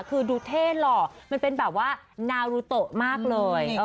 คือดูเท่หล่อมันเป็นแบบว่านารุโตะมากเลย